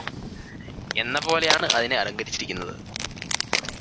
എന്നപോലെയാണ് അതിനെ അലങ്കരിച്ചിരിക്കുന്നത്